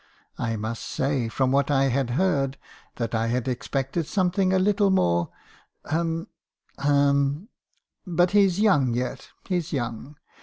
I must say, from what I had heard, that I had expected something a little more — hum — hum! But he's young yet; he's young.